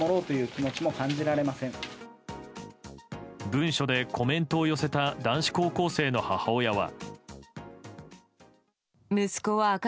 文書でコメントを寄せた男子高校生の母親は。